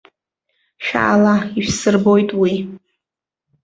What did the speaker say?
Шәаала, ишәсырбоит уи!